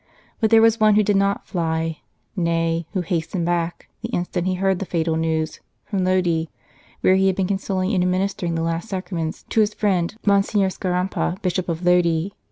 But there was one who did not fly nay, who hastened back, the instant he heard the fatal news, from Lodi, where he had been consoling and administering the last Sacraments to his friend Monsignor Scarampa, Bishop of Lodi.